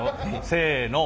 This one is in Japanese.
せの。